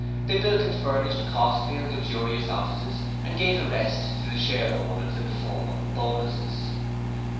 They built and furnished costly and luxurious offices and gave the rest to the shareholders in the form of Bonuses.